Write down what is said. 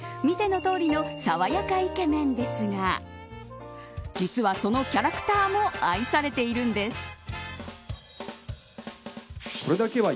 見てのとおりの爽やかイケメンですが実はそのキャラクターも愛されているんです。